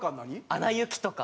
『アナ雪』とか。